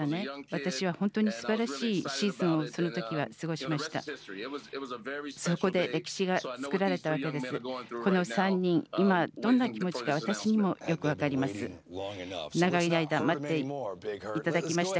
私は本当にすばらしいシーズンをそのときは過ごしました。